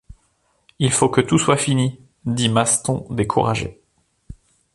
Il faut que tout soit fini, dit Maston découragé.